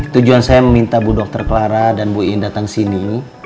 tujuan saya meminta bu dr clara dan bu iin datang sini